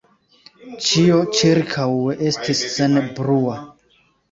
Ĉio ĉirkaŭe estis senbrua.